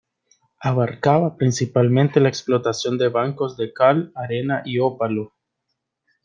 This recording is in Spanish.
Abarcaba principalmente la explotación de bancos de cal, arena y ópalo.